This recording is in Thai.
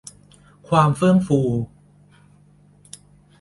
ความเฟื่องฟู